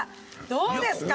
どうですか？